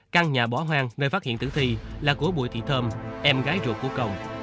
căn nhà bỏ hoang nơi phát hiện tử thi là của bùi thị thơm em gái ruột của công